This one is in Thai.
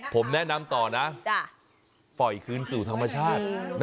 ผมแนะนำต่อนะปล่อยคืนสู่ธรรมชาติ